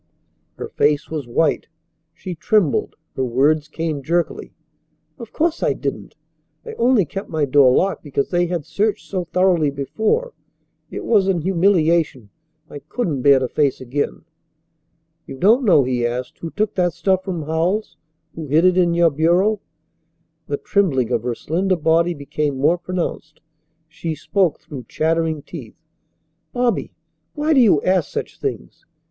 Her face was white. She trembled. Her words came jerkily: "Of course I didn't. I only kept my door locked because they had searched so thoroughly before. It was an humiliation I couldn't bear to face again." "You don't know," he asked, "who took that stuff from Howells; who hid it in your bureau?" The trembling of her slender body became more pronounced. She spoke through chattering teeth: "Bobby! Why do you ask such things?